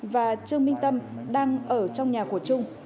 và trương minh tâm đang ở trong nhà của trung